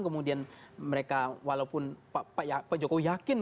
kemudian mereka walaupun pak jokowi yakin